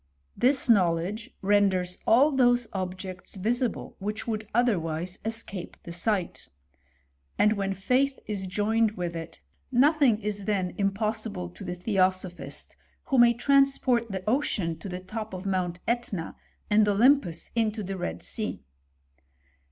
" This knowledge renders all those objects visible which would otherwise escape the sight; and when faith is joined with it, nothing is then impossible to the theosophist, who may transport the ocean to the top of Mount ^tna, and Olympus into the Red Sea."